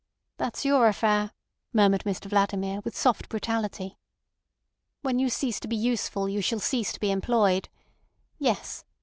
"That's your affair," murmured Mr Vladimir, with soft brutality. "When you cease to be useful you shall cease to be employed. Yes.